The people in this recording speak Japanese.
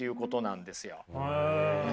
へえ。